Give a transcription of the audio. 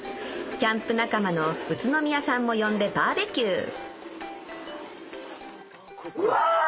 キャンプ仲間の宇都宮さんも呼んでバーベキューうわ！